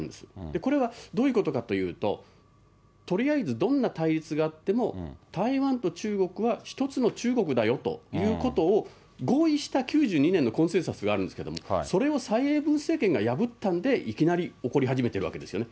これはどういうことかというと、とりあえずどんな対立があっても、台湾と中国は一つの中国だよということを合意した９２年のコンセンサスがあるんですけれども、それを蔡英文政権が破ったんで、いきなり怒り始めているわけですね。